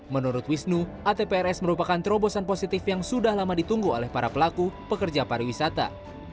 menurut wisnu atprs merupakan terobosan positif yang sudah lama ditunggu oleh para pelaku pekerja pariwisata